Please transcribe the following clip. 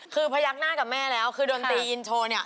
คือพยักหน้ากับแม่แล้วคือโดนตียินโชว์เนี่ย